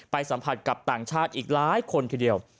สัมผัสกับต่างชาติอีกหลายคนทีเดียว